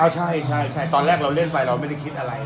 อ้าวใช่ใช่ใช่ตอนแรกเราเล่นไปเราไม่ได้คิดอะไร